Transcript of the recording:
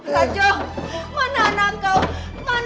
rajo apa yang terjadi